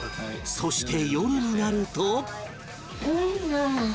そして夜になると